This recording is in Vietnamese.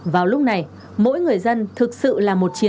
vào lúc này mỗi người dân thực sự là một chiến sĩ